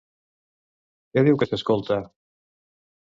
Què diu que s'escolta?